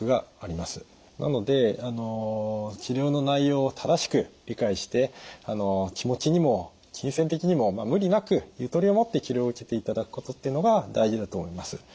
なので治療の内容を正しく理解して気持ちにも金銭的にも無理なくゆとりを持って治療を受けていただくことっていうのが大事だと思います。